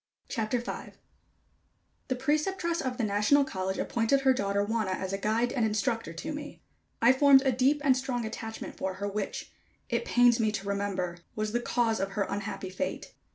CHAPTER V. The Preceptress of the National College appointed her daughter Wanna as a guide and instructor to me. I formed a deep and strong attachment for her, which, it pains me to remember, was the cause of her unhappy fate.